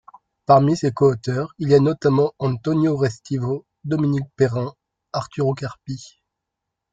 Parmi ses coauteurs, il y notamment Antonio Restivo, Dominique Perrin, Arturo Carpi.